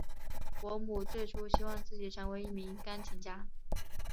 伯姆最初希望自己成为一名钢琴家。